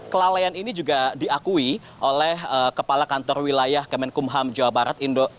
kelalaian ini juga diakui oleh kepala kantor wilayah kemenkumham jawa barat